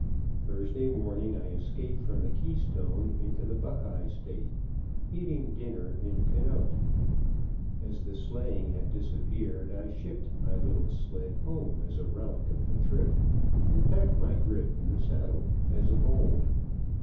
Thursday morning I escaped from the Keystone into the Buckeye State, eating dinner in Conneaut. As the sleighing had disappeared, I shipped my little sled home, as a relic of the trip, and packed my grip in the saddle, as of old.